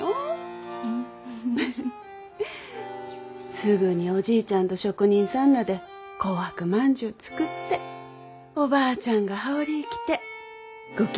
すぐにおじいちゃんと職人さんらで紅白まんじゅう作っておばあちゃんが羽織着てご近所さんに配って。